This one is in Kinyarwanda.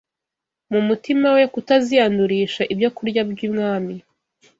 mu mutima we kutaziyandurisha ibyokurya by’umwami